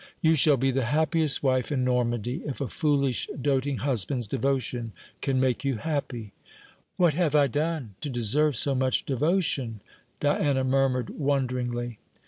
"You shall be the happiest wife in Normandy, if a foolish doting husband's devotion can make you happy." "What have I done to deserve so much devotion?" Diana murmured wonderingly.